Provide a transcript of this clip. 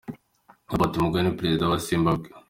Robert Mugabe ni Perezida wa Zimbabwe.